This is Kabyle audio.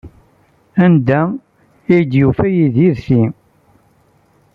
Anda ay d-yufa Yidir ti?